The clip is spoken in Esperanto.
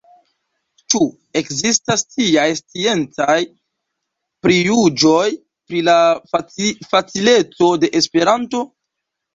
Ĉu ekzistas tiaj sciencaj prijuĝoj pri la facileco de Esperanto?